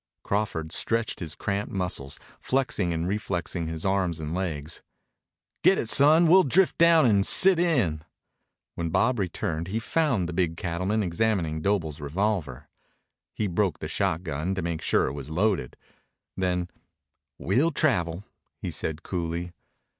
Crawford stretched his cramped muscles, flexing and reflexing his arms and legs. "Get it, son. We'll drift down and sit in." When Bob returned he found the big cattleman examining Doble's revolver. He broke the shotgun to make sure it was loaded. Then, "We'll travel," he said coolly.